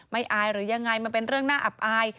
อายหรือยังไงมันเป็นเรื่องน่าอับอาย